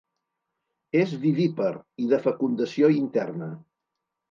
És vivípar i de fecundació interna.